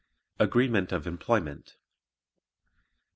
Agreement of Employment 1.